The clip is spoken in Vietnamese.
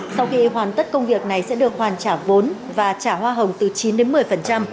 sau khi hoàn tất công việc này sẽ được hoàn trả vốn và trả hoa hồng từ chín đến một mươi